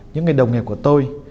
những người đồng nghiệp của tôi